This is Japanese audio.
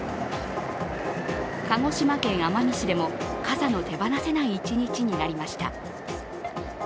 鹿児島県奄美市でも傘の手放せない一日になりました。